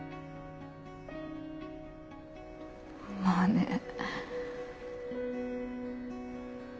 まあね。